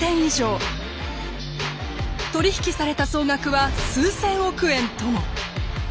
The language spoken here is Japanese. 取り引きされた総額は数千億円とも。